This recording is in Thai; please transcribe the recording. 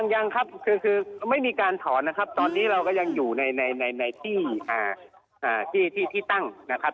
ยังครับคือไม่มีการถอนนะครับตอนนี้เราก็ยังอยู่ในที่ที่ตั้งนะครับ